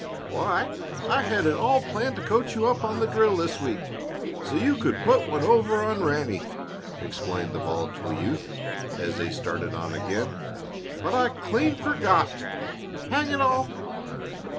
"Why, I had it all planned to coach you up on the drill this week, so you could put one over on Ranny," explained the volatile youth, as they started on again; "but I clean forgot. Hang it all!"